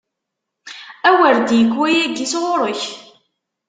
A wer d-yekk wayagi sɣur-k!